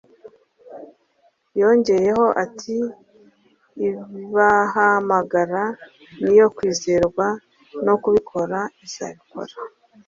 Yongeyeho ati, “Ibahamagara ni iyo kwizerwa; no kubikora izabikora.”